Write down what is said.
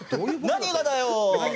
「何がだよ！」。